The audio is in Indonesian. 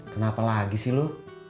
kenapa lagi sih lu